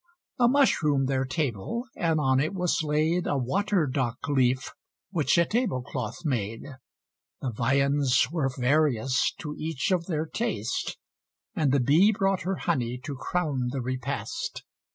A Mushroom their Table, and on it was laid A water dock leaf, which a table cloth made. The Viands were various, to each of their taste, And the Bee brought her honey to crown the Repast.